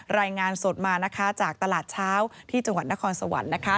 รายงานสดมานะคะจากตลาดเช้าที่จังหวัดนครสวรรค์นะคะ